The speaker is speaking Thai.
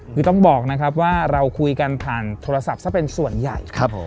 คือต้องบอกนะครับว่าเราคุยกันผ่านโทรศัพท์ซะเป็นส่วนใหญ่ครับผม